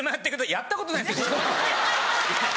やったことないんです。